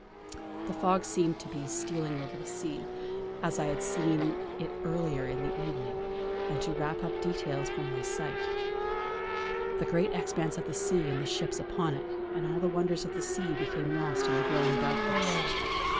The fog seemed to be stealing over the sea, as I had seen it earlier in the evening, and to wrap up details from my sight. The great expanse of the sea and the ships upon it, and all the wonders of the deep became lost in the growing darkness.